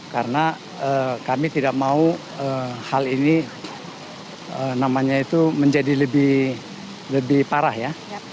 karena kami tidak mau hal ini namanya itu menjadi lebih parah ya